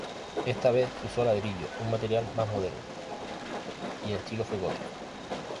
Esta vez se usó ladrillo, un material más moderno, y el estilo fue gótico.